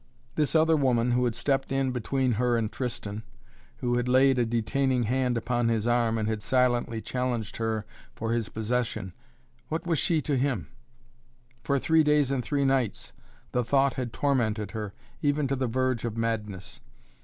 This other woman who had stepped in between her and Tristan, who had laid a detaining hand upon his arm and had silently challenged her for his possession what was she to him? For three days and three nights the thought had tormented her even to the verge of madness.